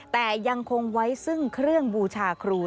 แต่ยังคงไว้ซึ่งเครื่องบูชาครู